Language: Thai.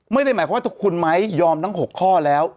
ไม่ได้หมายความว่าคุณไม้ยอมทั้ง๖ข้อแล้ว